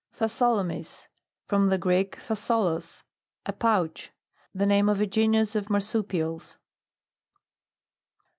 PHASCOLOMYS. From tlie Greek, pha *tolos, a pouch. The name of a genus of marsupials.